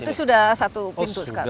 itu sudah satu pintu sekarang